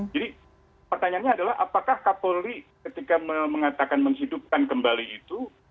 jadi pertanyaannya adalah apakah kapolri ketika mengatakan menghidupkan kembali itu